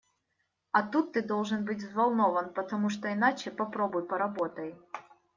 А тут ты должен быть взволнован, потому что иначе попробуй, поработай.